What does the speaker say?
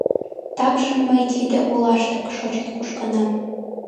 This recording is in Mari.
— Такшым мый тиде олаштак шочын-кушкынам.